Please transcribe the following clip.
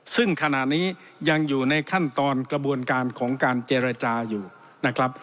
ซึ่งขณะนี้ยังอยู่ในขั้นตอนกระบวนการของการเจรจาอยู่นะครับ